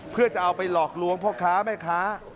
เพื่อจะเอาไปหลอกลวงพ่อค้าแม่ค้า